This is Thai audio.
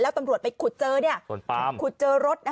แล้วตำรวจไปขุดเจอรถ